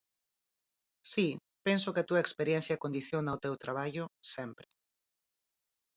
Si, penso que a túa experiencia condiciona o teu traballo, sempre.